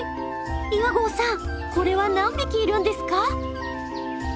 岩合さんこれは何匹いるんですか？